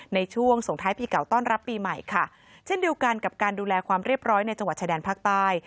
ในช่วงส่งท้ายปีเก่าต้อนรับปีใหม่ค่ะเช่นเดียวกันกับการดูแลความเรียบร้อยในจังหวัดชายแดนภาคใต้